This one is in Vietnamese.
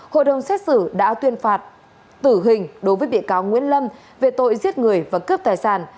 hội đồng xét xử đã tuyên phạt tử hình đối với bị cáo nguyễn lâm về tội giết người và cướp tài sản